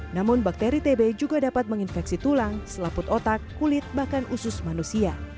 namun bakteri tb juga dapat menginfeksi tulang selaput otak kulit bahkan usus manusia